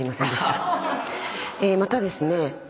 またですね。